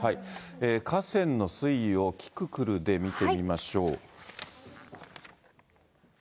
河川の水位をキキクルで見てみましょう。